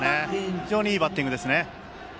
非常にいいバッティングです。